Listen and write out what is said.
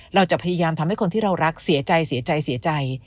เราจะพยายามทำให้คนที่เรารักเสียใจเสียใจเสียใจ